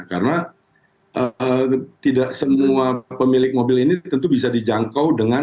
karena tidak semua pemilik mobil ini tentu bisa dijangkau dengan